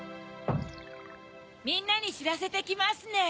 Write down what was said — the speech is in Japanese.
みんなにしらせてきますね！